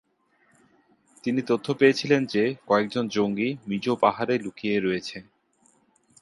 তিনি তথ্য পেয়েছিলেন যে কয়েকজন জঙ্গি মিজো পাহাড়ে লুকিয়ে রয়েছে।